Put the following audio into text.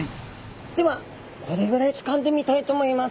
ではこれぐらいつかんでみたいと思います。